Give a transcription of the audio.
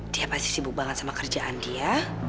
dia pasti sibuk banget sama kerjaan dia